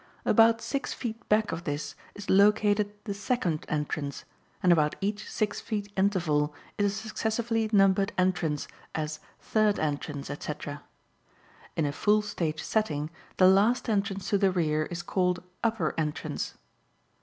About six feet back of this is located the second entrance, and about each six feet interval is a successively numbered entrance, as "third entrance," etc. In a "full stage" setting the last entrance to the rear is called "upper entrance."